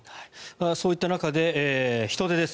そういった中で人出です。